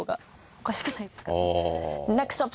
おかしくないですか？